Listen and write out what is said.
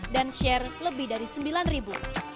dan share lebih dari sembilan ribu